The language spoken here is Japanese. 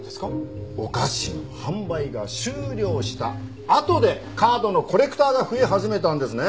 お菓子の販売が終了したあとでカードのコレクターが増え始めたんですね。